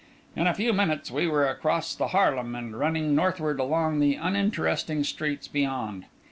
In a few minutes we were across the Harlem and running northward along the uninteresting streets beyond.